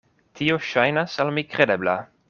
Tio ŝajnas al mi kredebla.